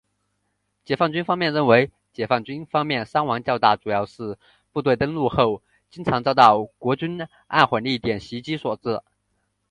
解放军方面认为解放军方面伤亡较大主要是部队登陆后经常遭到国军暗火力点袭击所致。